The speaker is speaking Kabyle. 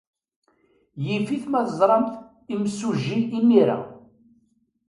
Yif-it ma teẓramt imsujji imir-a.